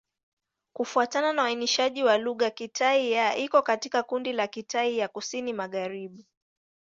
Kufuatana na uainishaji wa lugha, Kitai-Ya iko katika kundi la Kitai ya Kusini-Magharibi.